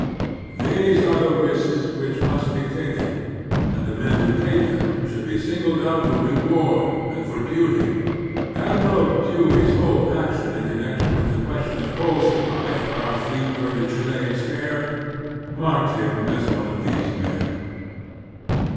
These are the risks which must be taken, and the men who take them should be singled out for reward and for duty. Admiral Dewey's whole action in connection with the question of coal sup ply for our fleet during the Chilean scare marked him as one of these men.